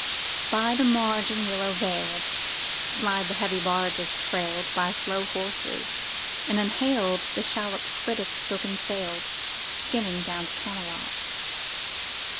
[Pg 68] By the margin, willow veil'd Slide the heavy barges trail'd By slow horses; and unhail'd The shallop flitteth silken sail'd Skimming down to Camelot.